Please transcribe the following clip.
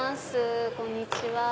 こんにちは。